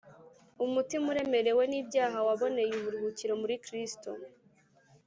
umutima uremerewe n’ibyaha waboneye uburuhukiro muri kristo